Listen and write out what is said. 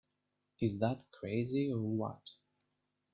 Is that crazy or what?